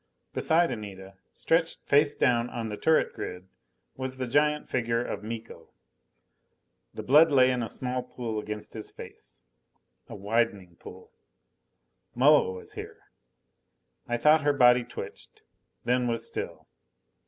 Beside Anita, stretched face down on the turret grid, was the giant figure of Miko. The blood lay in a small pool against his face. A widening pool. Moa was here. I thought her body twitched; then was still.